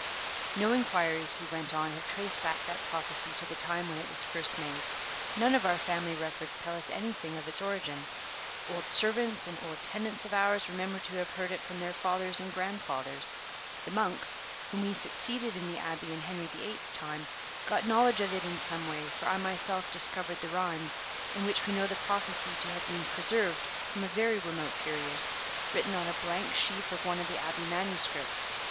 "No inquiries," he went on, "have traced back that prophecy to the time when it was first made; none of our family records tell us anything of its origin. Old servants and old tenants of ours remember to have heard it from their fathers and grandfathers. The monks, whom we succeeded in the Abbey in Henry the Eighth's time, got knowledge of it in some way, for I myself discovered the rhymes, in which we know the prophecy to have been preserved from a very remote period, written on a blank leaf of one of the Abbey manuscripts.